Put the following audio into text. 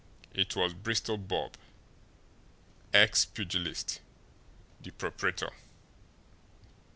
It was Bristol Bob, ex pugilist, the proprietor.